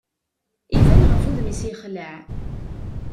Iban ɣef wudem-is yexleɛ.